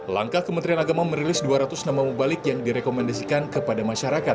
langkah kementerian agama merilis dua ratus nama mubalik yang direkomendasikan kepada masyarakat